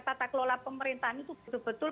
tata kelola pemerintahan itu betul betul